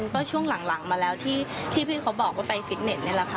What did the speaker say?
ก็ช่วงหลังมาแล้วที่พี่เขาบอกว่าไปฟิตเน็ตนี่แหละค่ะ